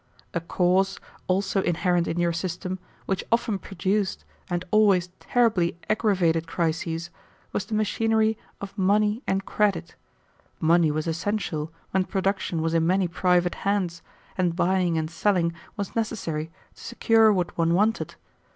"A cause, also inherent in your system, which often produced and always terribly aggravated crises, was the machinery of money and credit. Money was essential when production was in many private hands, and buying and selling was necessary to secure what one wanted.